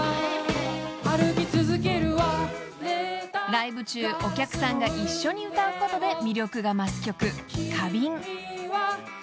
［ライブ中お客さんが一緒に歌うことで魅力が増す曲］